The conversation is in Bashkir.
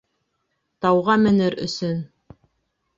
Тауға менер өсөн.